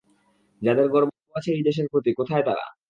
যাদের গর্ব আছে এই দেশের প্রতি, কোথায় তারা?